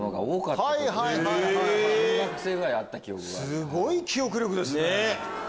すごい記憶力ですね。